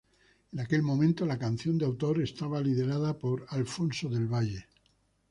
En aquel momento la Canción de Autor estaba liderada por Alfonso del Valle.